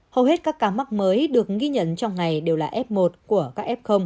hầu hết các ca mắc mới được ghi nhận trong ngày đều là f một của các f